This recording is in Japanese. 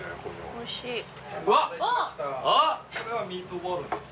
これはミートボールです。